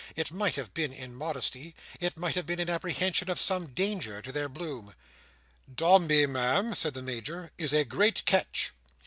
It might have been in modesty; it might have been in apprehension of some danger to their bloom. "Dombey, Ma'am," said the Major, "is a great catch."